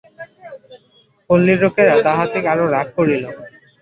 পল্লীর লোকেরা তাহাতে আরো রাগ করিল।